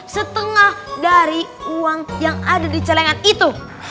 setengah dari uang yang ada di celengan itu